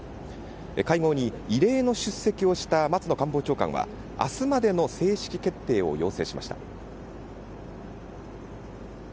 会合に異例の出席をした松野官房長官は明日までの正式決定を要請しました。